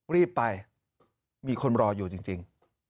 รีบไปมีคนรออยู่จริง